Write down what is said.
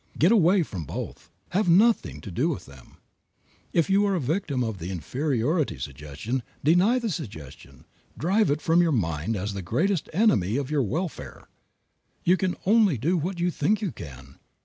Get away from both. Have nothing to do with them. If you are a victim of the inferiority suggestion, deny the suggestion, drive it from your mind as the greatest enemy of your welfare. You can only do what you think you can.